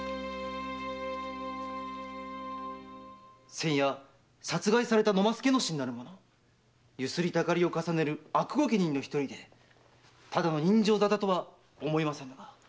先夜殺害された野間助之進は強請たかりを重ねる悪御家人の一人でただの刃傷沙汰とは思えませぬが。